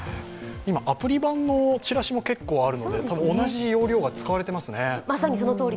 アプリ版のチラシも結構あるので、同じ要領が使われてますね。